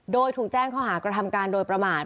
โดยถูกแจ้งข้อหากระทำการโดยประมาท